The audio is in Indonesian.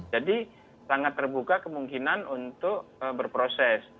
jadi sangat terbuka kemungkinan untuk berproses